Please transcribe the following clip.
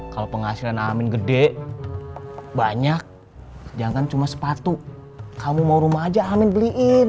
kalau penghasilan amin gede banyak jangan cuma sepatu kamu mau rumah aja amin beliin